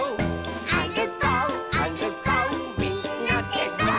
「あるこうあるこうみんなでゴー！」